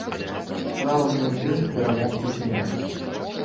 Справа не ў тым, перамог ты ці не.